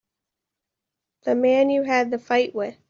The man you had the fight with.